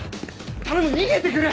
頼む逃げてくれ！